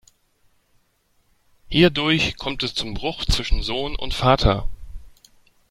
Hierdurch kommt es zum Bruch zwischen Sohn und Vater.